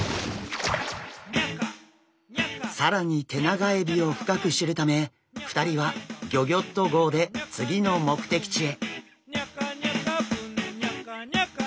更にテナガエビを深く知るため２人はギョギョッと号で次の目的地へ。